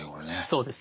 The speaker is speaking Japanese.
そうですね。